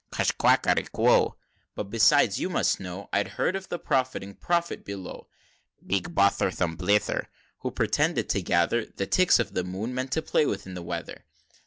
XXXV. "Cush quackery go, But, besides you must know, I'd heard of a profiting Prophet below; Big botherum blether, Who pretended to gather The tricks that the Moon meant to play with the weather."